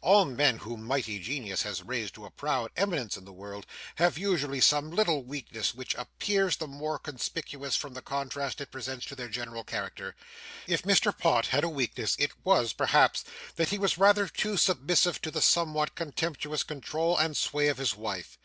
All men whom mighty genius has raised to a proud eminence in the world, have usually some little weakness which appears the more conspicuous from the contrast it presents to their general character. If Mr. Pott had a weakness, it was, perhaps, that he was rather too submissive to the somewhat contemptuous control and sway of his wife.